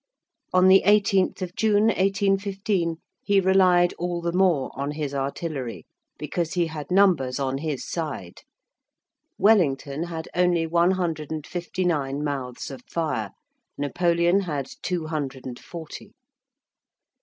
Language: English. On the 18th of June, 1815, he relied all the more on his artillery, because he had numbers on his side. Wellington had only one hundred and fifty nine mouths of fire; Napoleon had two hundred and forty.